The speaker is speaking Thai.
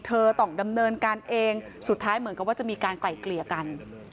เธอต้องดำเนินการเองสุดท้ายเหมือนกับว่าจะมีการไกล่เกลี่ยกัน